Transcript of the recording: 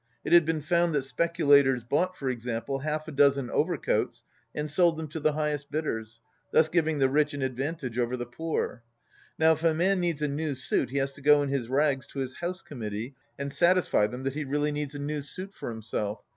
It had been found that speculators bought, for example, half a dozen overcoats, and sold them to the highest bidders, thus giving the rich an advantage over the poor. Now if a man needs a new suit he has to go in his rags to his House Committee, and satisfy them that he really needs a new suit for himself.